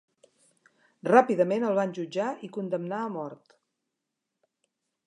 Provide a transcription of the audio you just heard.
Ràpidament el van jutjar i condemnar a mort.